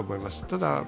ただ